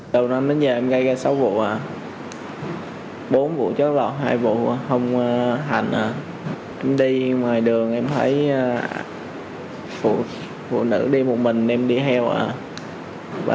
từ năm đến giờ em gây ra sáu vụ bốn vụ chó lọt hai vụ không hành em đi ngoài đường em thấy phụ nữ đi một mình em đi heo và dùng dao áp sát